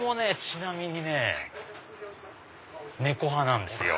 ちなみにね猫派なんですよ。